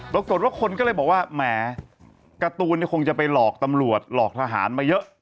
ปรากฏว่าคนก็เลยบอกว่าแหมการ์ตูนคงจะไปหลอกตำรวจหลอกทหารมาเยอะ